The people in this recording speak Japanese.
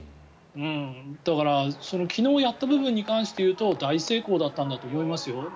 だから、昨日やった部分に関して言うと大成功だったんだと思いますよ。